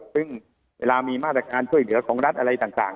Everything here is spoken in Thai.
ซึ่งเวลามีมาตรการช่วยเหลือของรัฐอะไรต่าง